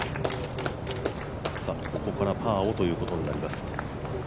ここからはパーをということになります。